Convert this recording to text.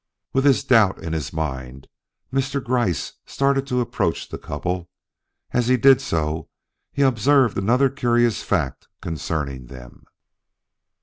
With this doubt in his mind, Mr. Gryce started to approach the couple. As he did so, he observed another curious fact concerning them.